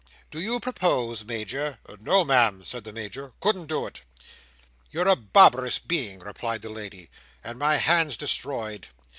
Do you propose, Major?" "No, Ma'am," said the Major. "Couldn't do it." "You're a barbarous being," replied the lady, "and my hand's destroyed.